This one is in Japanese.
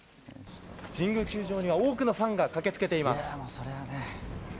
神宮球場には、多くのファンが駆けつけています。